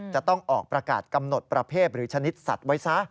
จะต้องออกประกาศกำหนดประเภทหรือชนิดสัตว์ไว้ซะ